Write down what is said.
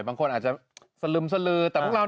บางคนอาจจะสลึมสลึม